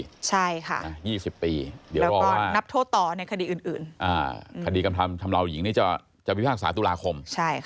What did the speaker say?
แล้วก็นับโทษต่อในคดีอื่นคดีกระทำชำราวหญิงนี้จะมีพิพากษาตุลาคม